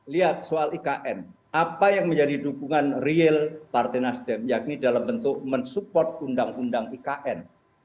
lihat soal ikn apa yang menjadi dukungan real partai nasdem yakni dalam bentuk mensupport undang undang ikn